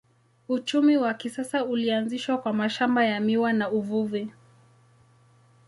Uchumi wa kisasa ulianzishwa kwa mashamba ya miwa na uvuvi.